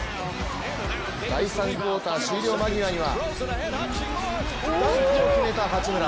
第３クオーター終了間際にはダンクを決めた八村。